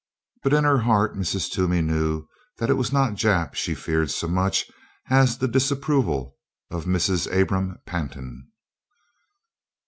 But in her heart Mrs. Toomey knew that it was not Jap she feared so much as the disapproval of Mrs. Abram Pantin.